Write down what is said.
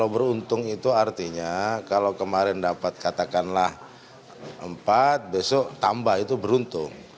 beruntung itu artinya kalau kemarin dapat katakanlah empat besok tambah itu beruntung